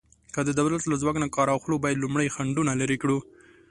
که د دولت له ځواک نه کار اخلو، باید لومړی خنډونه لرې کړو.